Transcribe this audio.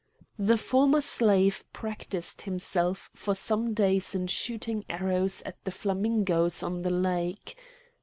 The former slave practised himself for some days in shooting arrows at the flamingoes on the lake.